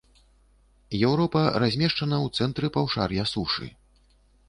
Еўропа размешчана ў цэнтры паўшар'я сушы.